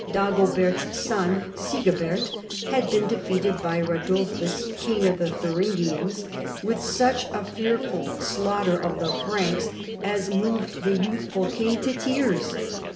Dagobert's son, Sigibert, had been de feated by Radulfus, Duke of the Thuringians, with such a fearful slaughter of the Franks as moved the youthful king to tears.